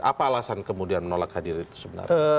apa alasan kemudian menolak hadir itu sebenarnya